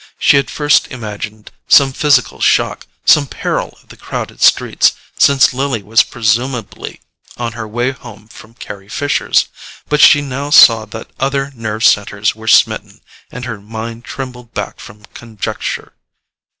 She had first imagined some physical shock, some peril of the crowded streets, since Lily was presumably on her way home from Carry Fisher's; but she now saw that other nerve centres were smitten, and her mind trembled back from conjecture.